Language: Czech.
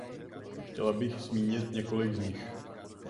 Chtěla bych zmínit několik z nich.